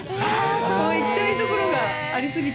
行きたいところがありすぎて。